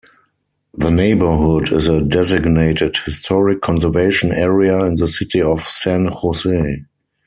The neighborhood is a designated Historic Conservation Area in the City of San Jose.